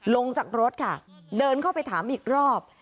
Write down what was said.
ลงจากรถค่ะเดินเข้าไปถามอีกรอบ